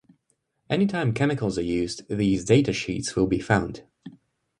Anytime chemicals are used these data sheets will be found.